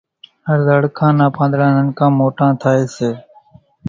هر زاڙکا نان پانۮڙان ننڪان موٽان ٿائيَ سي۔